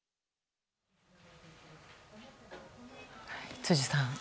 辻さん。